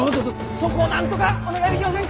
そこをなんとかお願いできませんか？